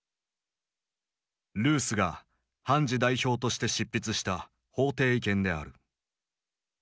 ルースが判事代表として執筆した法廷意見である。